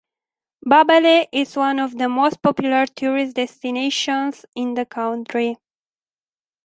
Babele is one of the most popular tourist destinations in the country.